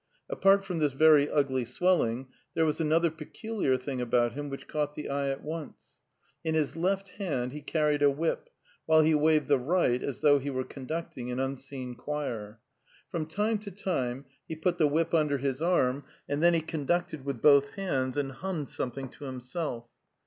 Apart from this very ugly swelling, there was another peculiar thing about him which caught the eye at once: in his left hand he carried a whip, while he waved the right as though he were conducting an unseen choir; from time to time he put the whip under his arm, and then he conducted with both hands and hummed some thing to himself.